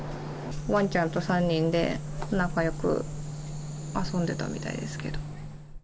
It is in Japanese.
わんちゃんと３人で仲よく遊んでたみたいですけど。